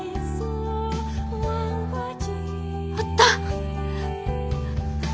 あった！